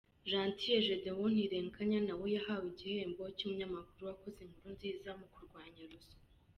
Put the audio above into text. Gentil Gedeon Ntirenganya nawe yahawe igihembo cy’umunyamakuru wakoze inkuru nziza mu kurwanya ruswa.